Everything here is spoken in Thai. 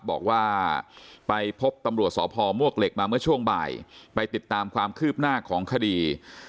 บอกว่าไปพบตำรวจสพมวกเหล็กมาเมื่อช่วงบ่ายไปติดตามความคืบหน้าของคดี